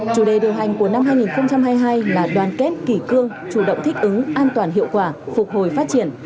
chủ đề điều hành của năm hai nghìn hai mươi hai là đoàn kết kỷ cương chủ động thích ứng an toàn hiệu quả phục hồi phát triển